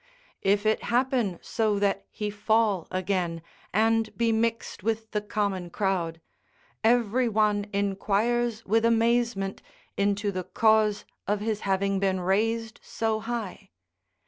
If it happen so that he fall again, and be mixed with the common crowd, every one inquires with amazement into the cause of his having been raised so high.